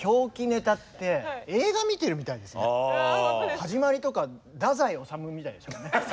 始まりとか太宰治みたいでしたもんね。